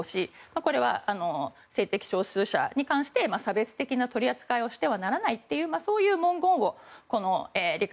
これは性的少数者に関して差別的な取り扱いをしてはならないというそういう文言を理解